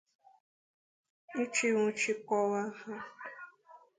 iji nwụchikọkwa ha.